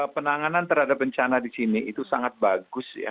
penanganan terhadap bencana di sini itu sangat bagus ya